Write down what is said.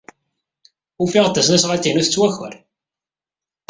Ufiɣ-d tasnasɣalt-inu tettwaker.